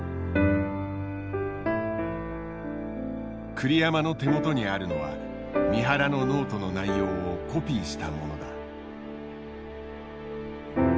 栗山の手元にあるのは三原のノートの内容をコピーしたものだ。